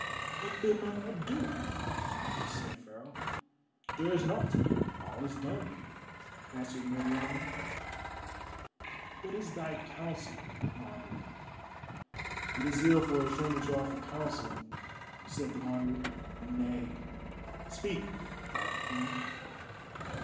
"What then might I do?" said Pharaoh. "There is nought to do: all is done," answered Meriamun. "What is thy counsel, Wanderer?" "It is ill for a stranger to offer counsel," said the Wanderer. "Nay, speak," cried the Queen.